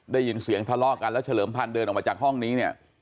ได้ยินเสียงทะเลาะกันแล้วเฉลิมพันธ์เดินออกมาจากห้องนี้เนี่ย